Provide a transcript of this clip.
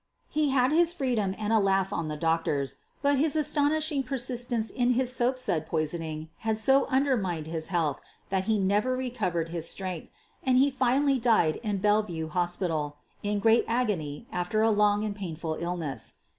1 He had his freedom and a laugh on the doctors — but his astonishing persistence in his soap sud poi soning had so undermined his health that he never recovered his strength and he finally died in Belle vue Hospital in great agony after a long and pain ful illness.